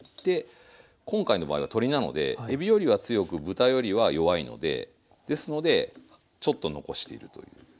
今回の場合は鶏なのでえびよりは強く豚よりは弱いのでですのでちょっと残しているというあんばいですね。